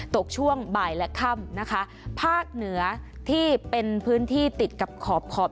ช่วงบ่ายและค่ำนะคะภาคเหนือที่เป็นพื้นที่ติดกับขอบขอบ